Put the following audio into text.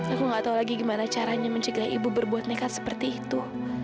aku gak tau lagi gimana caranya mencegah ibu berbuat nekat seperti itu